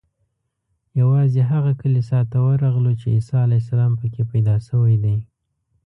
یوازې هغه کلیسا ته ورغلو چې عیسی علیه السلام په کې پیدا شوی دی.